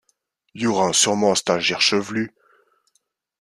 y'aura sûrement un stagiaire chevelu.